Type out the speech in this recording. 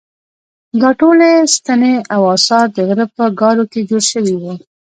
دا ټولې ستنې او اثار د غره په ګارو کې جوړ شوي وو.